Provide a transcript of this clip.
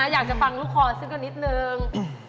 อยากจะฟังลูกคอซึ่งกันนิดนึง